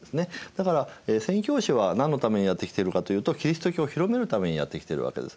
だから宣教師は何のためにやって来ているかというとキリスト教を広めるためにやって来ているわけです。